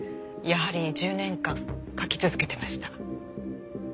やはり１０年間書き続けてました。